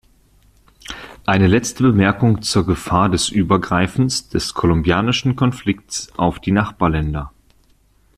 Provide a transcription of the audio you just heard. Eine letzte Bemerkung zur Gefahr des Übergreifens des kolumbianischen Konflikts auf die Nachbarländer.